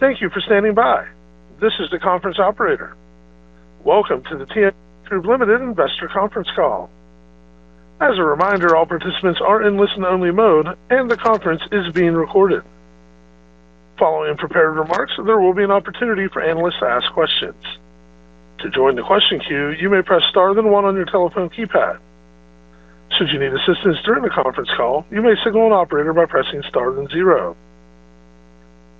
Thank you for standing by. This is the conference operator. Welcome to the TMX Group Limited Investor Conference Call. As a reminder, all participants are in listen-only mode, and the conference is being recorded. Following prepared remarks, there will be an opportunity for analysts to ask questions. To join the question queue, you may press star then one on your telephone keypad. Should you need assistance during the conference call, you may signal an operator by pressing star then zero.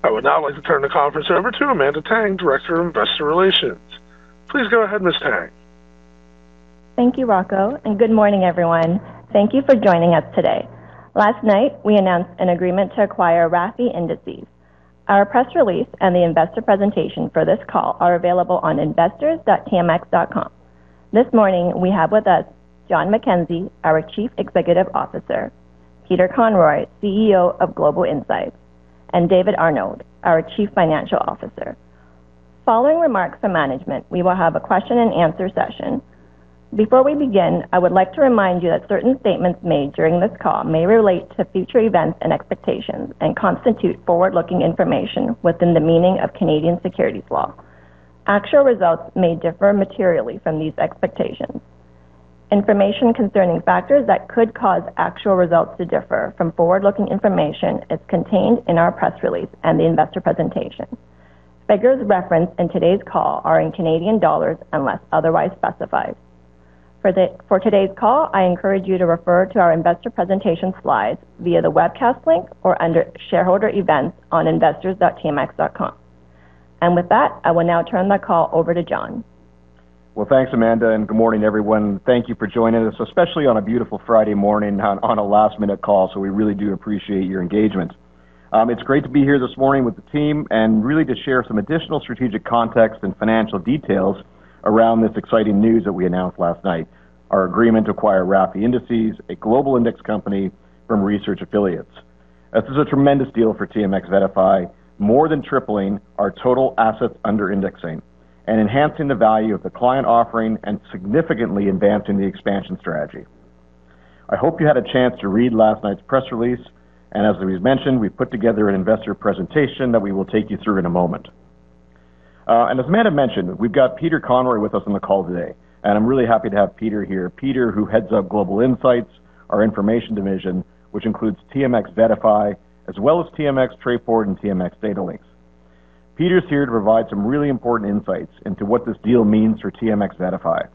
I would now like to turn the conference over to Amanda Tang, Director of Investor Relations. Please go ahead, Ms. Tang. Thank you, Rocco, good morning, everyone. Thank you for joining us today. Last night, we announced an agreement to acquire RAFI Indices. Our press release and the investor presentation for this call are available on investors.tmx.com. This morning, we have with us John McKenzie, our Chief Executive Officer, Peter Conroy, CEO of Global Insights, and David Arnold, our Chief Financial Officer. Following remarks from management, we will have a question-and-answer session. Before we begin, I would like to remind you that certain statements made during this call may relate to future events and expectations and constitute forward-looking information within the meaning of Canadian securities law. Actual results may differ materially from these expectations. Information concerning factors that could cause actual results to differ from forward-looking information is contained in our press release and the investor presentation. Figures referenced in today's call are in Canadian dollars unless otherwise specified. For today's call, I encourage you to refer to our investor presentation slides via the webcast link or under shareholder events on investors.tmx.com. With that, I will now turn the call over to John. Well, thanks, Amanda, good morning, everyone. Thank you for joining us, especially on a beautiful Friday morning on a last-minute call. We really do appreciate your engagement. It's great to be here this morning with the team and really to share some additional strategic context and financial details around this exciting news that we announced last night, our agreement to acquire RAFI Indices, a global index company from Research Affiliates. This is a tremendous deal for TMX VettaFi, more than tripling our total assets under indexing and enhancing the value of the client offering and significantly advancing the expansion strategy. I hope you had a chance to read last night's press release, and as we mentioned, we put together an investor presentation that we will take you through in a moment. As Amanda mentioned, we've got Peter Conroy with us on the call today, and I'm really happy to have Peter here. Peter, who heads up Global Insights, our Information division, which includes TMX VettaFi, as well as TMX Trayport and TMX Datalinx. Peter's here to provide some really important insights into what this deal means for TMX VettaFi,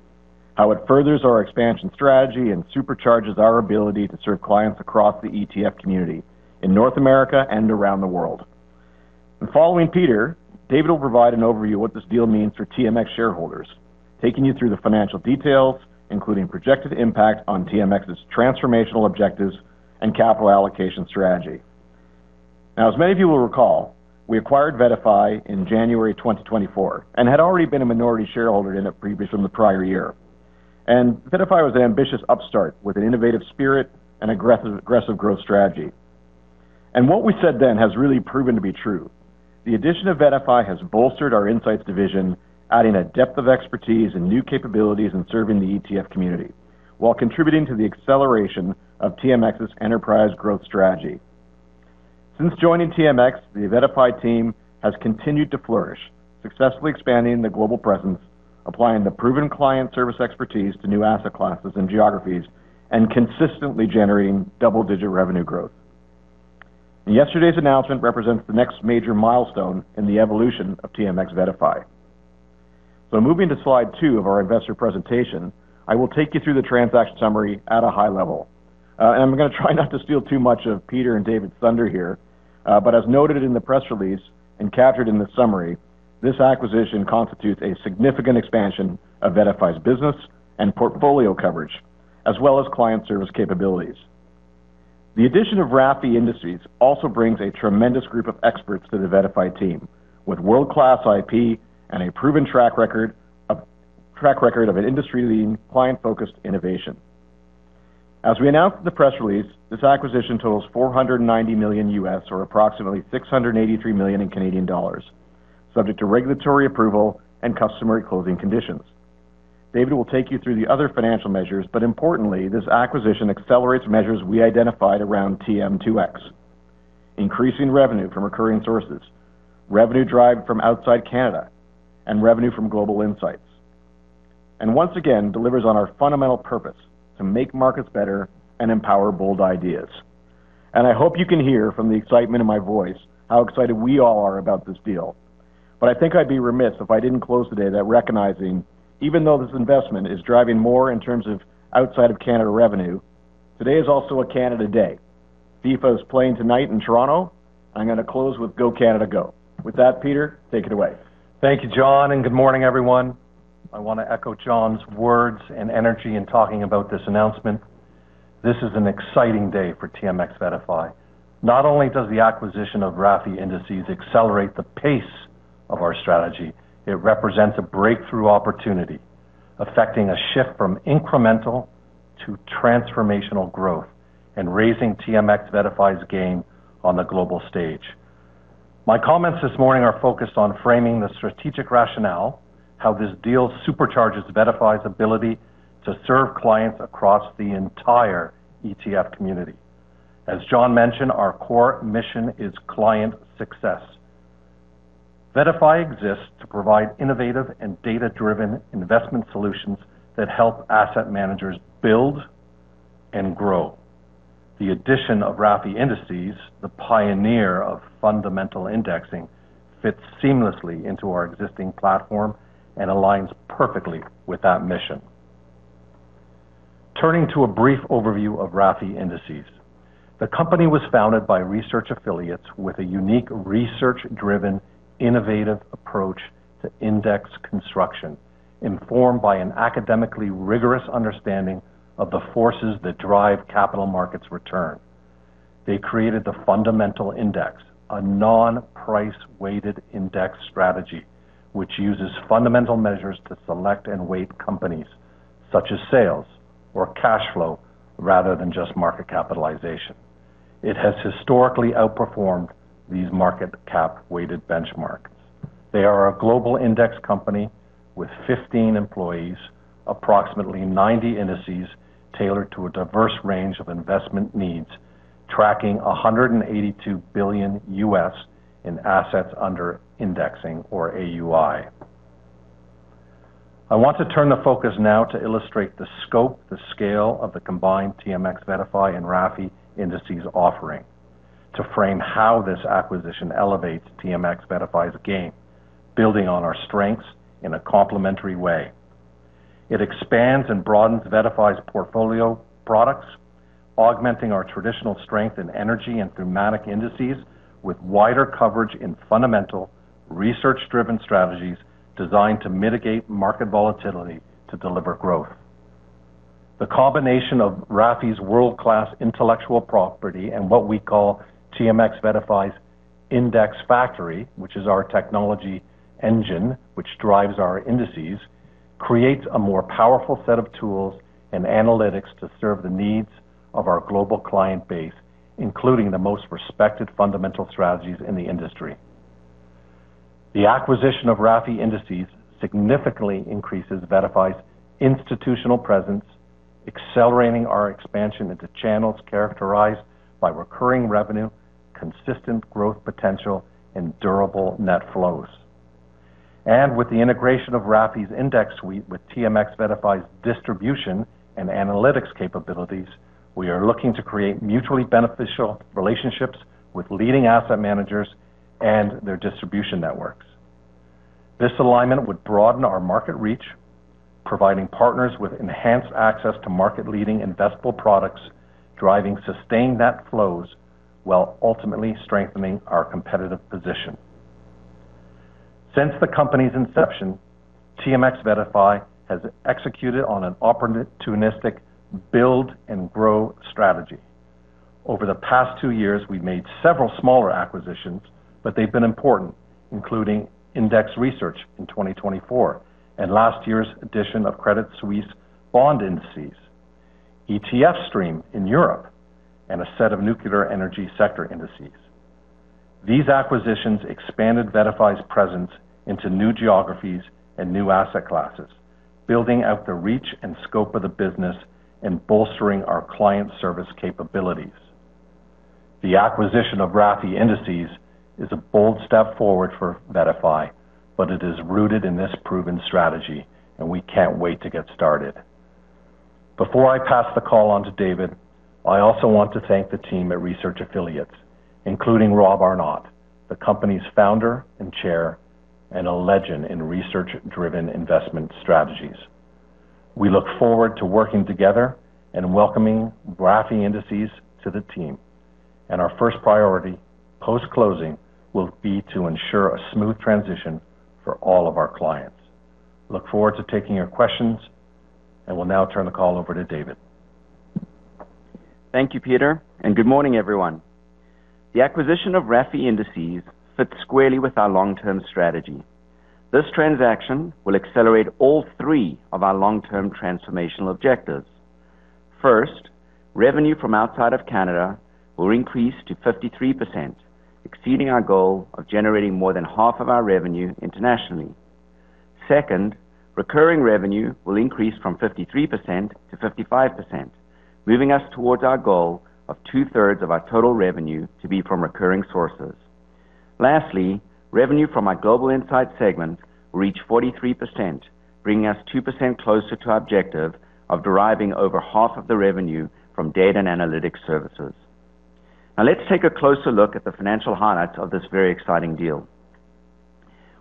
how it furthers our expansion strategy, and supercharges our ability to serve clients across the ETF community in North America and around the world. Following Peter, David will provide an overview of what this deal means for TMX shareholders, taking you through the financial details, including projected impact on TMX's transformational objectives and capital allocation strategy. As many of you will recall, we acquired VettaFi in January 2024 and had already been a minority shareholder in it previous from the prior year. VettaFi was an ambitious upstart with an innovative spirit and aggressive growth strategy. What we said then has really proven to be true. The addition of VettaFi has bolstered our Insights division, adding a depth of expertise and new capabilities in serving the ETF community while contributing to the acceleration of TMX's enterprise growth strategy. Since joining TMX, the VettaFi team has continued to flourish, successfully expanding the global presence, applying the proven client service expertise to new asset classes and geographies, and consistently generating double-digit revenue growth. Yesterday's announcement represents the next major milestone in the evolution of TMX VettaFi. Moving to slide two of our investor presentation, I will take you through the transaction summary at a high level. I'm going to try not to steal too much of Peter and David's thunder here, as noted in the press release and captured in the summary, this acquisition constitutes a significant expansion of VettaFi's business and portfolio coverage, as well as client service capabilities. The addition of RAFI Indices also brings a tremendous group of experts to the VettaFi team with world-class IP and a proven track record of an industry-leading client-focused innovation. As we announced in the press release, this acquisition totals $490 million or approximately 683 million, subject to regulatory approval and customary closing conditions. David will take you through the other financial measures, importantly, this acquisition accelerates measures we identified around TM2X, increasing revenue from recurring sources, revenue drive from outside Canada, and revenue from Global Insights. Once again, delivers on our fundamental purpose to make markets better and empower bold ideas. I hope you can hear from the excitement in my voice how excited we all are about this deal. I think I'd be remiss if I didn't close today that recognizing even though this investment is driving more in terms of outside of Canada revenue, today is also a Canada day. FIFA is playing tonight in Toronto. I'm going to close with go Canada go. With that, Peter, take it away. Thank you, John, and good morning, everyone. I want to echo John's words and energy in talking about this announcement. This is an exciting day for TMX VettaFi. Not only does the acquisition of RAFI Indices accelerate the pace of our strategy, it represents a breakthrough opportunity, effecting a shift from incremental to transformational growth and raising TMX VettaFi's game on the global stage. My comments this morning are focused on framing the strategic rationale How this deal supercharges VettaFi's ability to serve clients across the entire ETF community. As John mentioned, our core mission is client success. VettaFi exists to provide innovative and data-driven investment solutions that help asset managers build and grow. The addition of RAFI Indices, the pioneer of fundamental indexing, fits seamlessly into our existing platform and aligns perfectly with that mission. Turning to a brief overview of RAFI Indices. The company was founded by Research Affiliates with a unique research-driven, innovative approach to index construction, informed by an academically rigorous understanding of the forces that drive capital markets return. They created the Fundamental Index, a non-price weighted index strategy, which uses fundamental measures to select and weight companies, such as sales or cash flow, rather than just market capitalization. It has historically outperformed these market cap weighted benchmarks. They are a global index company with 15 employees, approximately 90 indices tailored to a diverse range of investment needs, tracking $182 billion in assets under indexing or AUI. I want to turn the focus now to illustrate the scope, the scale of the combined TMX VettaFi and RAFI Indices offering to frame how this acquisition elevates TMX VettaFi's game, building on our strengths in a complementary way. It expands and broadens VettaFi's portfolio products, augmenting our traditional strength in energy and thematic indices with wider coverage in fundamental, research-driven strategies designed to mitigate market volatility to deliver growth. The combination of RAFI's world-class intellectual property and what we call TMX VettaFi's Index Factory, which is our technology engine, which drives our indices, creates a more powerful set of tools and analytics to serve the needs of our global client base, including the most respected fundamental strategies in the industry. The acquisition of RAFI Indices significantly increases VettaFi's institutional presence, accelerating our expansion into channels characterized by recurring revenue, consistent growth potential, and durable net flows. With the integration of RAFI's index suite with TMX VettaFi's distribution and analytics capabilities, we are looking to create mutually beneficial relationships with leading asset managers and their distribution networks. This alignment would broaden our market reach, providing partners with enhanced access to market-leading investable products, driving sustained net flows while ultimately strengthening our competitive position. Since the company's inception, TMX VettaFi has executed on an opportunistic build and grow strategy. Over the past two years, we've made several smaller acquisitions, but they've been important, including iNDEX Research in 2024 and last year's edition of Credit Suisse Bond Indices, ETF Stream in Europe, and a set of nuclear energy sector indices. These acquisitions expanded VettaFi's presence into new geographies and new asset classes, building out the reach and scope of the business and bolstering our client service capabilities. The acquisition of RAFI Indices is a bold step forward for VettaFi, but it is rooted in this proven strategy. We can't wait to get started. Before I pass the call on to David, I also want to thank the team at Research Affiliates, including Rob Arnott, the company's Founder and Chair and a legend in research-driven investment strategies. We look forward to working together and welcoming RAFI Indices to the team. Our first priority post-closing will be to ensure a smooth transition for all of our clients. Look forward to taking your questions. Will now turn the call over to David. Thank you, Peter, good morning, everyone. The acquisition of RAFI Indices fits squarely with our long-term strategy. This transaction will accelerate all three of our long-term transformational objectives. First, revenue from outside of Canada will increase to 53%, exceeding our goal of generating more than half of our revenue internationally. Second, recurring revenue will increase from 53% to 55%, moving us towards our goal of two-thirds of our total revenue to be from recurring sources. Lastly, revenue from our Global Insights segment will reach 43%, bringing us 2% closer to our objective of deriving over half of the revenue from data and analytics services. Let's take a closer look at the financial highlights of this very exciting deal.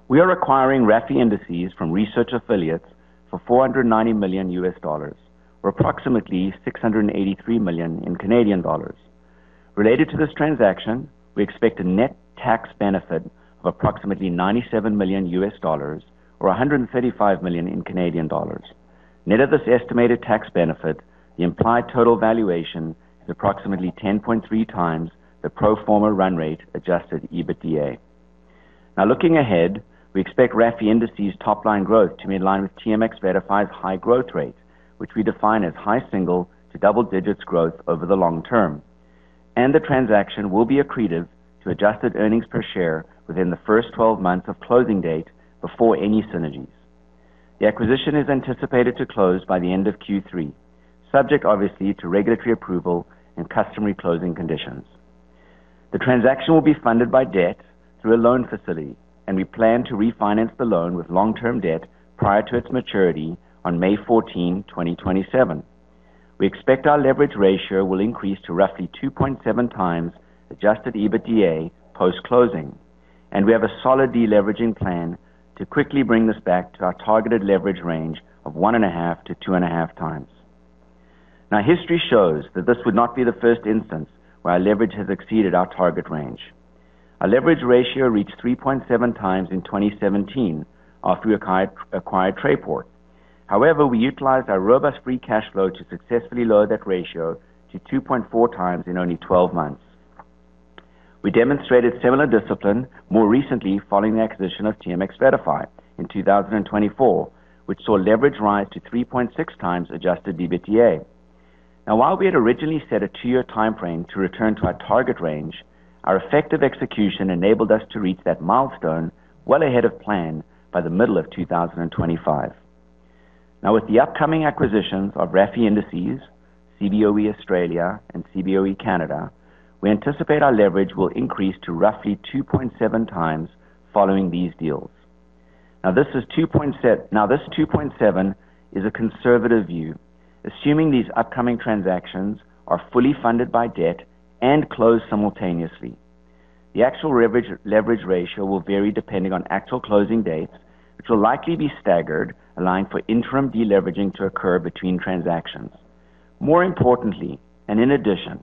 We are acquiring RAFI Indices from Research Affiliates for $490 million, or approximately 683 million. Related to this transaction, we expect a net tax benefit of approximately $97 million or 135 million. Net of this estimated tax benefit, the implied total valuation is approximately 10.3x the pro forma run-rate adjusted EBITDA. Looking ahead, we expect RAFI Indices' top-line growth to be in-line with TMX VettaFi's high growth rate, which we define as high single- to double-digits growth over the long term. The transaction will be accretive to adjusted earnings per share within the first 12 months of closing date before any synergies. The acquisition is anticipated to close by the end of Q3, subject obviously to regulatory approval and customary closing conditions. The transaction will be funded by debt through a loan facility. We plan to refinance the loan with long-term debt prior to its maturity on May 14, 2027. We expect our leverage ratio will increase to roughly 2.7x adjusted EBITDA post-closing, and we have a solid deleveraging plan to quickly bring this back to our targeted leverage range of 1.5x to 2.5x. History shows that this would not be the first instance where our leverage has exceeded our target range. Our leverage ratio reached 3.7x in 2017 after we acquired Trayport. However, we utilized our robust free cash flow to successfully lower that ratio to 2.4x in only 12 months. We demonstrated similar discipline more recently following the acquisition of TMX VettaFi in 2024, which saw leverage rise to 3.6x adjusted EBITDA. While we had originally set a two-year timeframe to return to our target range, our effective execution enabled us to reach that milestone well ahead of plan by the middle of 2025. With the upcoming acquisitions of RAFI Indices, Cboe Australia, and Cboe Canada, we anticipate our leverage will increase to roughly 2.7x following these deals. This 2.7x is a conservative view, assuming these upcoming transactions are fully funded by debt and closed simultaneously. The actual leverage ratio will vary depending on actual closing dates, which will likely be staggered, allowing for interim deleveraging to occur between transactions. More importantly, and in addition,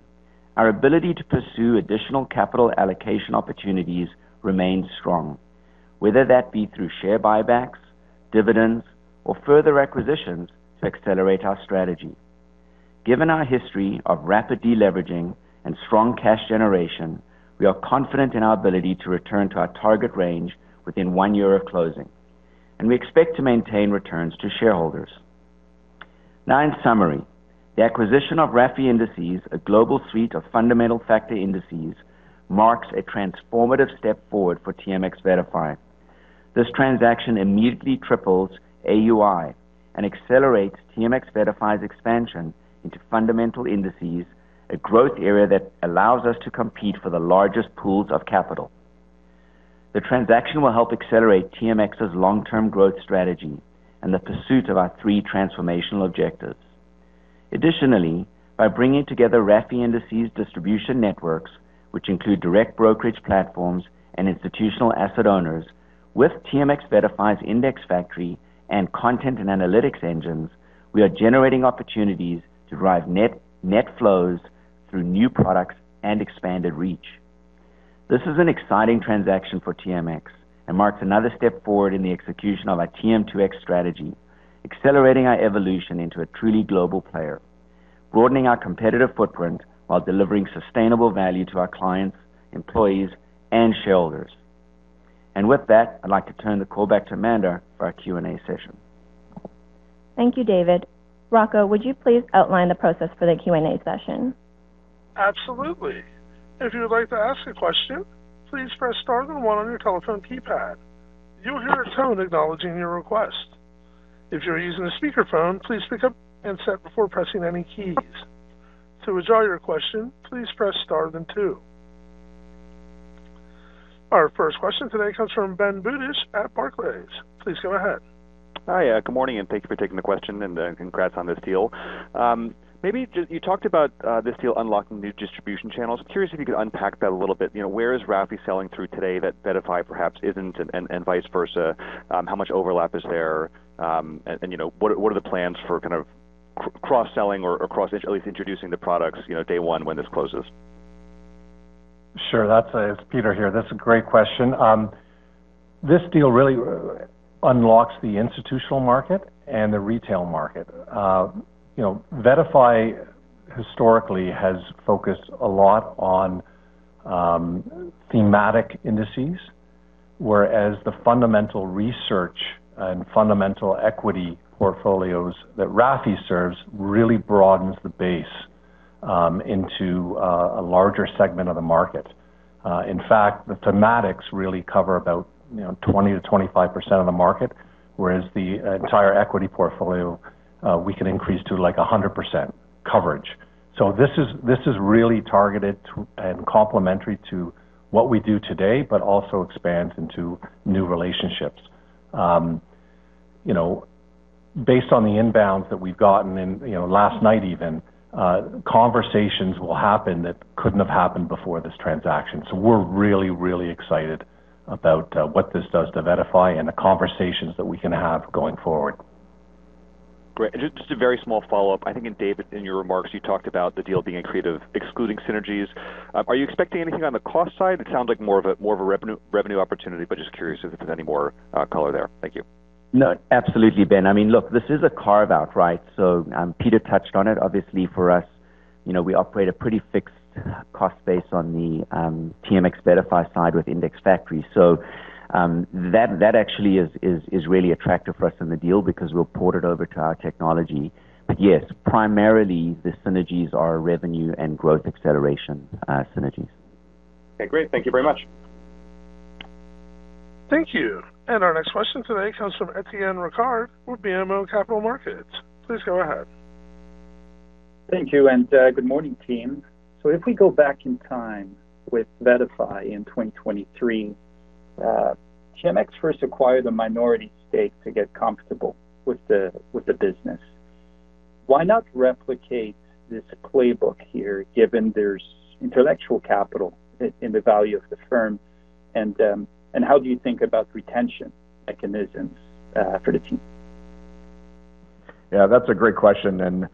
our ability to pursue additional capital allocation opportunities remains strong, whether that be through share buybacks, dividends, or further acquisitions to accelerate our strategy. Given our history of rapid deleveraging and strong cash generation, we are confident in our ability to return to our target range within one year of closing, and we expect to maintain returns to shareholders. In summary, the acquisition of RAFI Indices, a global suite of fundamental factor indices, marks a transformative step forward for TMX VettaFi. This transaction immediately triples AUI and accelerates TMX VettaFi's expansion into fundamental indices, a growth area that allows us to compete for the largest pools of capital. The transaction will help accelerate TMX's long-term growth strategy and the pursuit of our three transformational objectives. Additionally, by bringing together RAFI Indices' distribution networks, which include direct brokerage platforms and institutional asset owners, with TMX VettaFi's Index Factory and content and analytics engines, we are generating opportunities to drive net flows through new products and expanded reach. This is an exciting transaction for TMX and marks another step forward in the execution of our TM2X strategy, accelerating our evolution into a truly global player, broadening our competitive footprint while delivering sustainable value to our clients, employees, and shareholders. With that, I'd like to turn the call back to Amanda for our Q&A session. Thank you, David. Rocco, would you please outline the process for the Q&A session? Absolutely. If you would like to ask a question, please press star then one on your telephone keypad. You'll hear a tone acknowledging your request. If you're using a speakerphone, please pick up the handset before pressing any keys. To withdraw your question, please press star then two. Our first question today comes from Ben Budish at Barclays. Please go ahead. Hi. Good morning, thank you for taking the question, and congrats on this deal. You talked about this deal unlocking new distribution channels. I'm curious if you could unpack that a little bit. Where is RAFI selling through today that VettaFi perhaps isn't, and vice versa? How much overlap is there? What are the plans for kind of cross-selling or at least introducing the products day one when this closes? Sure. It's Peter here. That's a great question. This deal really unlocks the institutional market and the retail market. VettaFi historically has focused a lot on thematic indices, whereas the fundamental research and fundamental equity portfolios that RAFI serves really broadens the base into a larger segment of the market. In fact, the thematics really cover about 20%-25% of the market, whereas the entire equity portfolio, we can increase to like 100% coverage. This is really targeted and complementary to what we do today, but also expands into new relationships. Based on the inbounds that we've gotten, last night even, conversations will happen that couldn't have happened before this transaction. We're really, really excited about what this does to VettaFi and the conversations that we can have going forward. Great. Just a very small follow-up. I think, David, in your remarks, you talked about the deal being accretive, excluding synergies. Are you expecting anything on the cost side? It sounds like more of a revenue opportunity, but just curious if there is any more color there. Thank you. No, absolutely, Ben. I mean, look, this is a carve-out, right? Peter touched on it. Obviously, for us we operate a pretty fixed cost base on the TMX VettaFi side with Index Factory. That actually is really attractive for us in the deal because we will port it over to our technology. Yes, primarily, the synergies are revenue and growth acceleration synergies. Okay, great. Thank you very much. Thank you. Our next question today comes from Étienne Ricard with BMO Capital Markets. Please go ahead. Thank you, good morning, team. If we go back in time with VettaFi in 2023, TMX first acquired a minority stake to get comfortable with the business. Why not replicate this playbook here, given there's intellectual capital in the value of the firm? How do you think about retention mechanisms for the team? Yeah, that's a great question,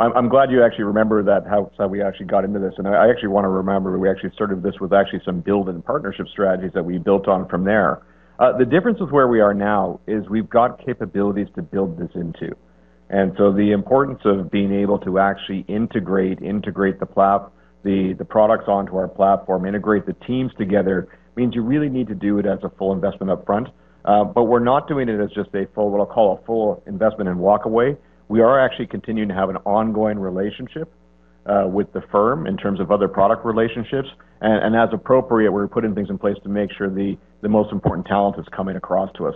I'm glad you actually remember how we actually got into this. I actually want to remember that we actually started this with actually some build and partnership strategies that we built on from there. The difference with where we are now is we've got capabilities to build this into. The importance of being able to actually integrate the products onto our platform, integrate the teams together, means you really need to do it as a full investment up front. We're not doing it as just what I'll call a full investment and walk away. We are actually continuing to have an ongoing relationship with the firm in terms of other product relationships. As appropriate, we're putting things in place to make sure the most important talent is coming across to us.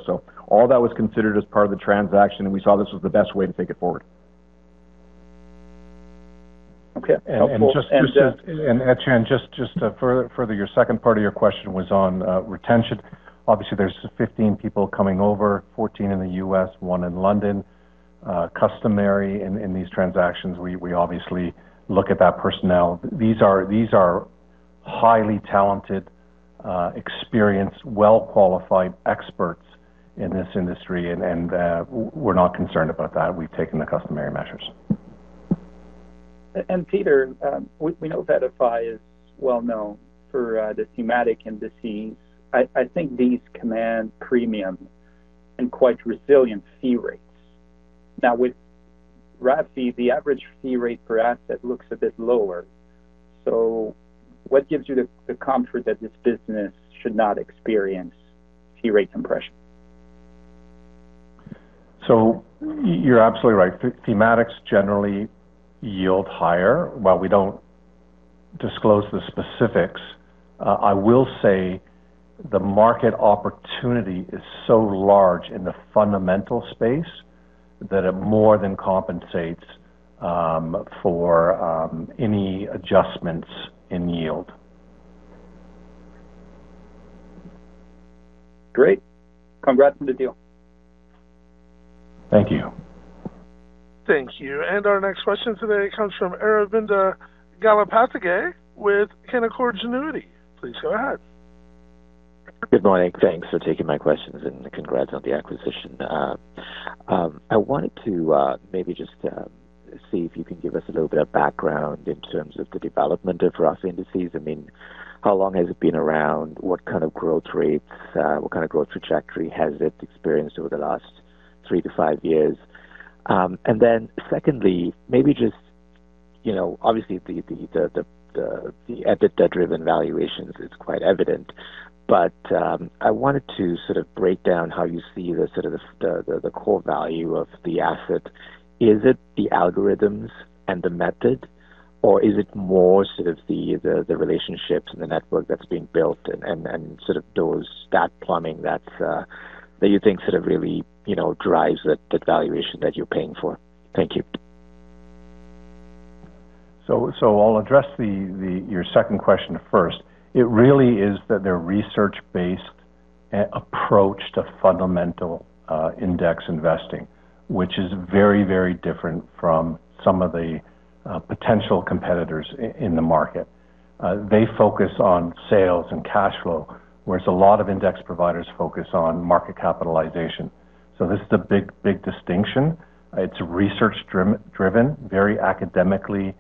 All that was considered as part of the transaction, we saw this was the best way to take it forward. Okay. Helpful. Étienne, just to further your second part of your question was on retention. Obviously, there's 15 people coming over, 14 in the U.S., one in London. Customary in these transactions, we obviously look at that personnel. These are highly talented, experienced, well-qualified experts in this industry, and we're not concerned about that. We've taken the customary measures. Peter, we know VettaFi is well-known for the thematic indices. I think these command premium and quite resilient fee rates. Now, with RAFI, the average fee rate per asset looks a bit lower. What gives you the comfort that this business should not experience fee rate compression? You're absolutely right. Thematics generally yield higher. While we don't disclose the specifics, I will say the market opportunity is so large in the fundamental space that it more than compensates for any adjustments in yield. Great. Congrats on the deal. Thank you. Thank you. Our next question today comes from Aravinda Galappatthige with Canaccord Genuity. Please go ahead. Good morning. Thanks for taking my questions, and congrats on the acquisition. I wanted to maybe just see if you can give us a little bit of background in terms of the development of RAFI Indices. How long has it been around? What kind of growth rates, what kind of growth trajectory has it experienced over the last three to five years? Secondly, obviously the EBITDA-driven valuations is quite evident, but I wanted to sort of break down how you see the core value of the asset. Is it the algorithms and the method, or is it more sort of the relationships and the network that's being built and sort of that plumbing that you think sort of really drives the valuation that you're paying for? Thank you. I'll address your second question first. It really is that they're research-based approach to Fundamental Index investing, which is very, very different from some of the potential competitors in the market. They focus on sales and cash flow, whereas a lot of index providers focus on market capitalization. This is the big distinction. It's research-driven, very academically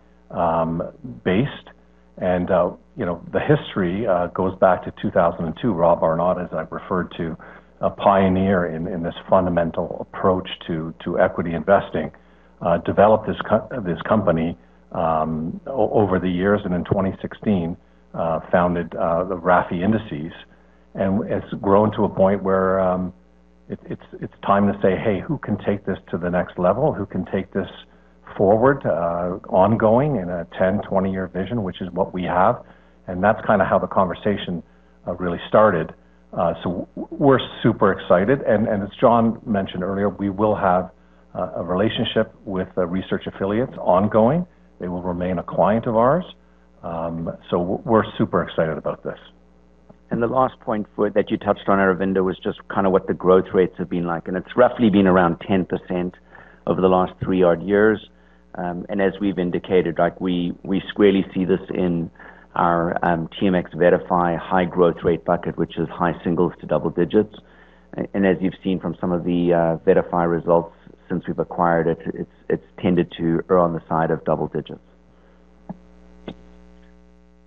based, the history goes back to 2002. Rob Arnott, as I referred to, a pioneer in this Fundamental approach to equity investing, developed this company over the years and in 2016 founded the RAFI Indices. It's grown to a point where it's time to say, hey, who can take this to the next level? Who can take this forward, ongoing in a 10-, 20-year vision? Which is what we have, and that's kind of how the conversation really started. We're super excited. As John mentioned earlier, we will have a relationship with Research Affiliates ongoing. They will remain a client of ours. We're super excited about this. The last point that you touched on, Aravinda, was just kind of what the growth rates have been like. It's roughly been around 10% over the last three odd years. As we've indicated, we squarely see this in our TMX VettaFi high growth rate bucket, which is high single-digits to double-digits. As you've seen from some of the VettaFi results since we've acquired it's tended to err on the side of double-digits.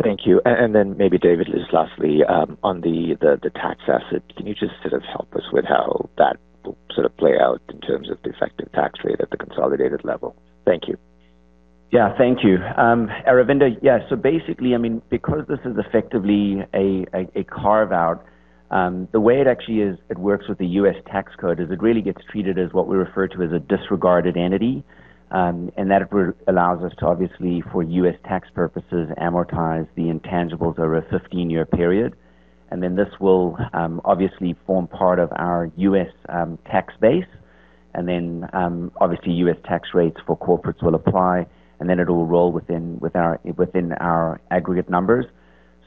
Thank you. Then maybe David just lastly, on the tax asset, can you just sort of help us with how that will sort of play out in terms of the effective tax rate at the consolidated level? Thank you. Thank you, Aravinda. Basically, because this is effectively a carve-out, the way it actually works with the U.S. tax code is it really gets treated as what we refer to as a disregarded entity. That allows us to obviously for U.S. tax purposes, amortize the intangibles over a 15-year period. Then this will obviously form part of our U.S. tax base. Then, obviously, U.S. tax rates for corporates will apply, then it'll roll within our aggregate numbers.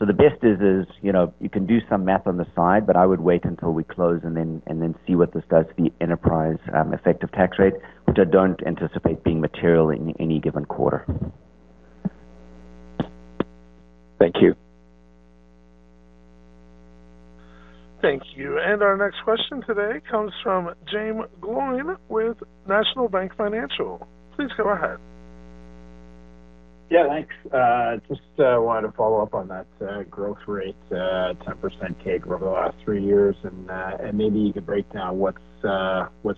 The best is you can do some math on the side, but I would wait until we close and then see what this does to the enterprise effective tax rate, which I don't anticipate being material in any given quarter. Thank you. Thank you. Our next question today comes from Jaeme Gloyn with National Bank Financial. Please go ahead. Yeah, thanks. Just wanted to follow up on that growth rate, 10% CAGR over the last three years. Maybe you could break down what's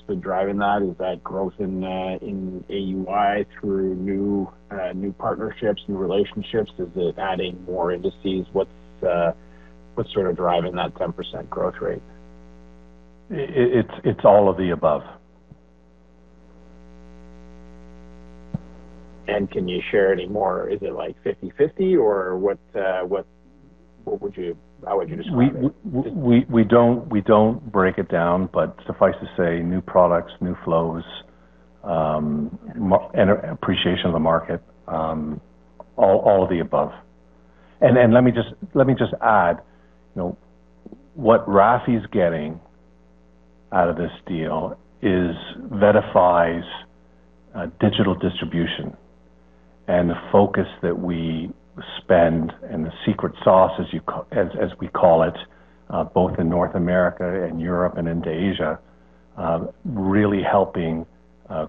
been driving that. Is that growth in AUI through new partnerships, new relationships? Is it adding more indices? What's sort of driving that 10% growth rate? It's all of the above. Can you share any more? Is it like 50/50, or how would you describe it? We don't break it down, but suffice to say, new products, new flows, and appreciation of the market, all of the above. Let me just add, what RAFI's getting out of this deal is VettaFi's digital distribution and the focus that we spend, and the secret sauce, as we call it, both in North America and Europe and into Asia really helping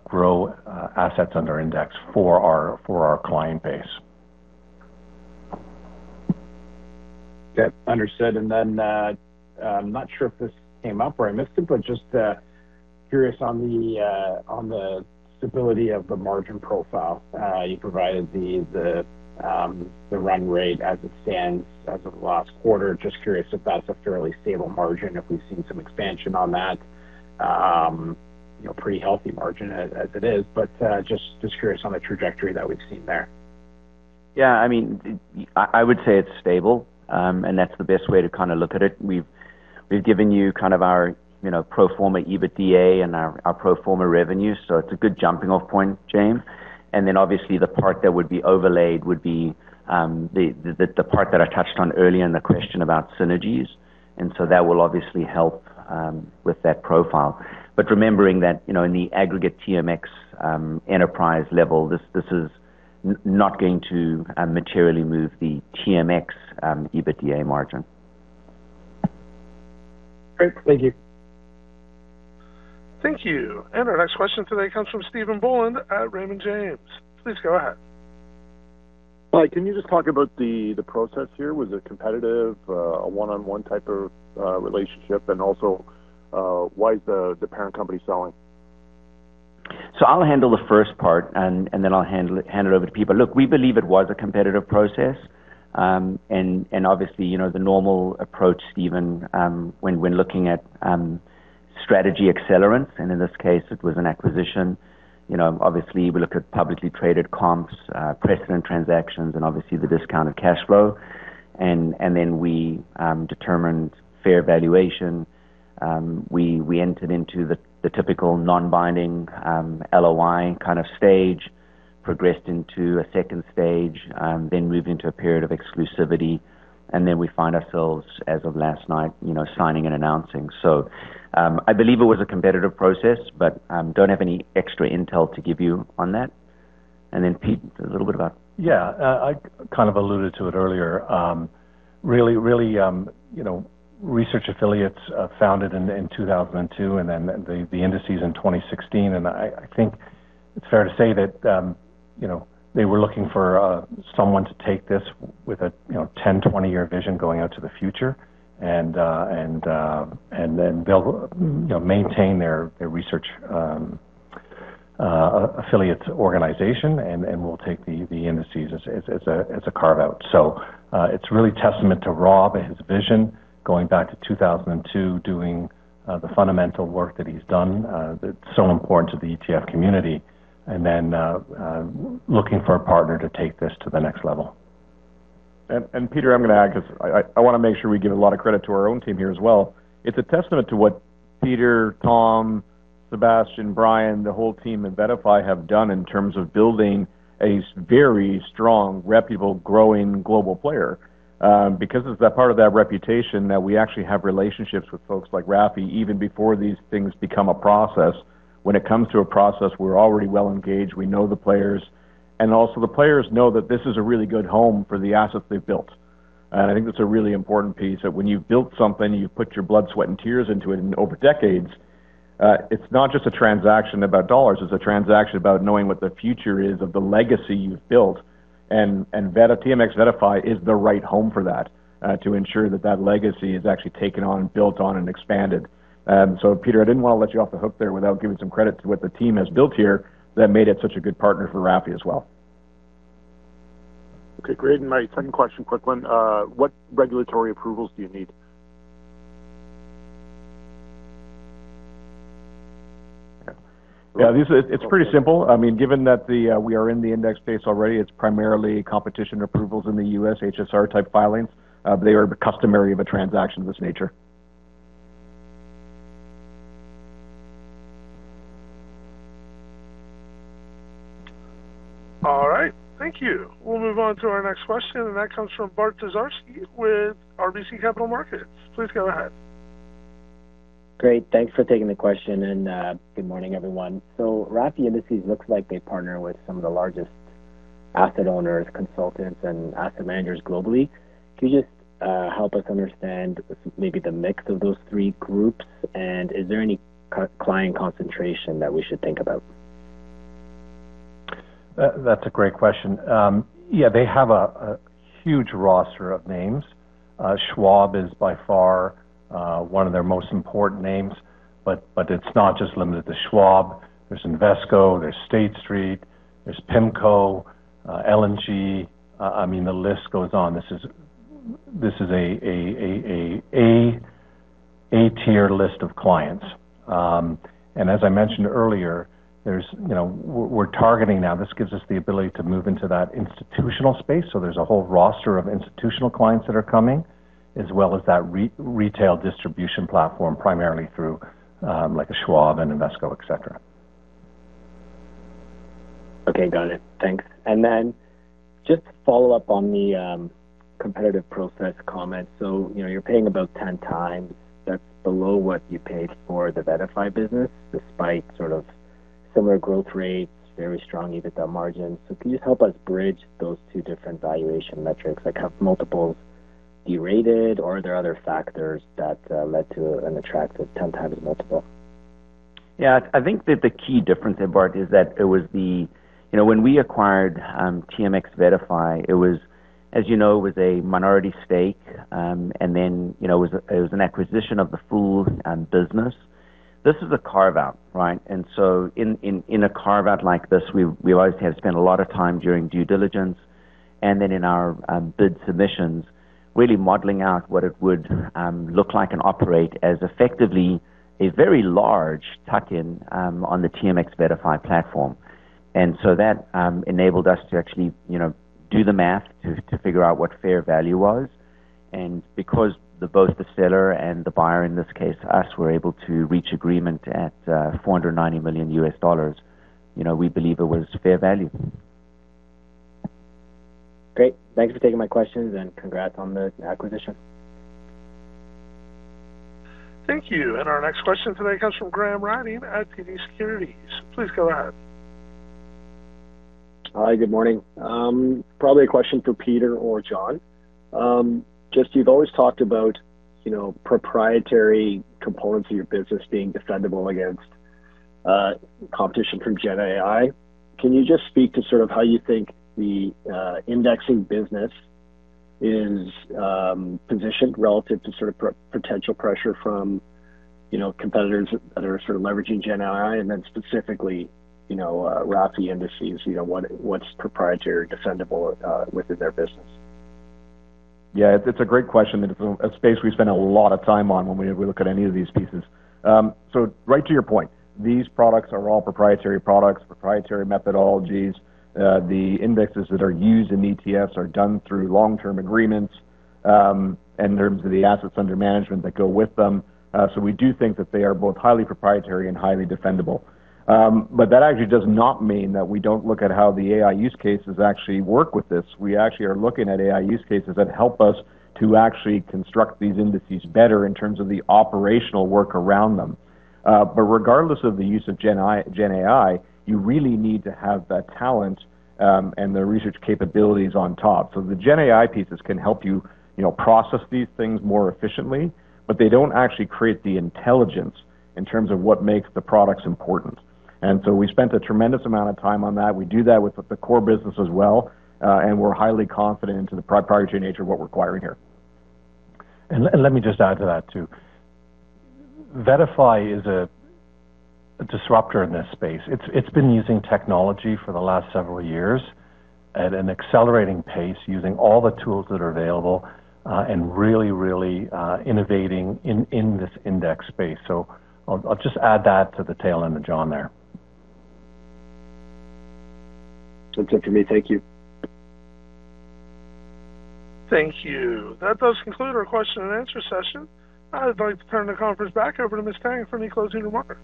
grow assets under index for our client base. Yep, understood. Then, I'm not sure if this came up or I missed it, but just curious on the stability of the margin profile. You provided the run-rate as it stands as of the last quarter. Just curious if that's a fairly stable margin, if we've seen some expansion on that. Pretty healthy margin as it is, but just curious on the trajectory that we've seen there. Yeah. I would say it's stable, and that's the best way to look at it. We've given you our pro forma EBITDA and our pro forma revenues, so it's a good jumping-off point, Jaeme. Then obviously the part that would be overlaid would be the part that I touched on earlier in the question about synergies, and so that will obviously help with that profile. Remembering that in the aggregate TMX enterprise level, this is not going to materially move the TMX EBITDA margin. Great. Thank you. Thank you. Our next question today comes from Stephen Boland at Raymond James. Please go ahead. Hi, can you just talk about the process here? Was it competitive, a one-on-one type of relationship? Also, why is the parent company selling? I'll handle the first part, and then I'll hand it over to Pete. Look, we believe it was a competitive process. Obviously, the normal approach, Stephen, when looking at strategy accelerants, and in this case it was an acquisition, obviously we look at publicly traded comps, precedent transactions, and obviously the discounted cash flow. We determined fair valuation. We entered into the typical non-binding LOI kind of stage, progressed into a second stage, then moved into a period of exclusivity, and then we find ourselves, as of last night, signing and announcing. I believe it was a competitive process, but don't have any extra intel to give you on that. Pete, a little bit about I kind of alluded to it earlier. Research Affiliates founded in 2002, and then the indices in 2016. I think it's fair to say that they were looking for someone to take this with a 10-, 20-year vision going out to the future, and then they'll maintain their Research Affiliates organization, and we'll take the indices as a carve-out. It's really a testament to Rob and his vision going back to 2002, doing the Fundamental Index work that he's done that's so important to the ETF community, and then looking for a partner to take this to the next level. Peter, I'm going to add, because I want to make sure we give a lot of credit to our own team here as well. It's a testament to what Peter, Tom, Sebastian, Brian, the whole team in VettaFi have done in terms of building a very strong, reputable, growing global player. It's that part of that reputation that we actually have relationships with folks like RAFI even before these things become a process. When it comes to a process, we're already well engaged. We know the players, and also the players know that this is a really good home for the assets they've built. I think that's a really important piece, that when you've built something, you put your blood, sweat, and tears into it, and over decades, it's not just a transaction about dollars, it's a transaction about knowing what the future is of the legacy you've built. TMX VettaFi is the right home for that, to ensure that that legacy is actually taken on, built on, and expanded. Peter, I didn't want to let you off the hook there without giving some credit to what the team has built here that made it such a good partner for RAFI as well. Okay, great. My second question, quick one, what regulatory approvals do you need? Yeah, it's pretty simple. Given that we are in the index space already, it's primarily competition approvals in the U.S., HSR-type filings. They are customary of a transaction of this nature. All right. Thank you. We'll move on to our next question, and that comes from Bart Dziarski with RBC Capital Markets. Please go ahead. Great. Thanks for taking the question, and good morning, everyone. RAFI Indices looks like they partner with some of the largest asset owners, consultants, and asset managers globally. Can you just help us understand maybe the mix of those three groups, and is there any client concentration that we should think about? That's a great question. Yeah, they have a huge roster of names. Schwab is by far one of their most important names, but it's not just limited to Schwab. There's Invesco, there's State Street, there's PIMCO, L&G. The list goes on. This is an A-tier list of clients. As I mentioned earlier, we're targeting now. This gives us the ability to move into that institutional space, so there's a whole roster of institutional clients that are coming, as well as that retail distribution platform, primarily through Schwab and Invesco, et cetera. Okay, got it. Thanks. Just to follow up on the competitive process comment. You're paying about 10x. That's below what you paid for the VettaFi business, despite similar growth rates, very strong EBITDA margins. Can you help us bridge those two different valuation metrics? Have multiples derated, or are there other factors that led to an attractive 10x multiple? I think that the key difference there, Bart, is that when we acquired TMX VettaFi, as you know, it was a minority stake, and then it was an acquisition of the full business. This is a carve-out, right? In a carve-out like this, we always have to spend a lot of time during due diligence and then in our bid submissions, really modeling out what it would look like and operate as effectively a very large tuck-in on the TMX VettaFi platform. That enabled us to actually do the math to figure out what fair value was. Because both the seller and the buyer, in this case us, were able to reach agreement at $490 million, we believe it was fair value. Great. Thanks for taking my questions, and congrats on the acquisition. Thank you. Our next question today comes from Graham Ryding at TD Securities. Please go ahead. Hi, good morning. A question for Peter or John. You've always talked about proprietary components of your business being defendable against competition from GenAI. Can you just speak to how you think the indexing business is positioned relative to potential pressure from competitors that are leveraging GenAI, and then specifically RAFI Indices, what's proprietary, defendable within their business? Yeah, it's a great question. That is a space we spend a lot of time on when we look at any of these pieces. Right to your point, these products are all proprietary products, proprietary methodologies. The indexes that are used in ETFs are done through long-term agreements in terms of the assets under management that go with them. We do think that they are both highly proprietary and highly defendable. That actually does not mean that we don't look at how the AI use cases actually work with this. We actually are looking at AI use cases that help us to actually construct these indices better in terms of the operational work around them. Regardless of the use of GenAI, you really need to have that talent and the research capabilities on top. The GenAI pieces can help you process these things more efficiently, but they don't actually create the intelligence in terms of what makes the products important. We spent a tremendous amount of time on that. We do that with the core business as well and we're highly confident in the proprietary nature of what we're acquiring here. Let me just add to that, too. VettaFi is a disruptor in this space. It's been using technology for the last several years at an accelerating pace, using all the tools that are available and really innovating in this index space. I'll just add that to the tail end of John there. That's it for me. Thank you. Thank you. That does conclude our question-and-answer session. I'd like to turn the conference back over to Ms. Tang for any closing remarks.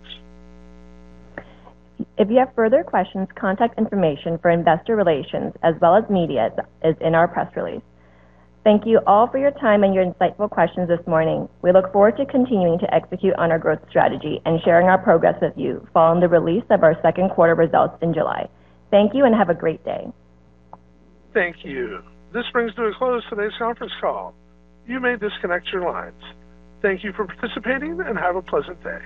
If you have further questions, contact information for Investor Relations as well as media is in our press release. Thank you all for your time and your insightful questions this morning. We look forward to continuing to execute on our growth strategy and sharing our progress with you following the release of our second quarter results in July. Thank you and have a great day. Thank you. This brings to a close today's conference call. You may disconnect your lines. Thank you for participating, and have a pleasant day.